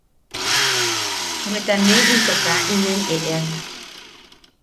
Bweta ne into kaa inen eʼeak.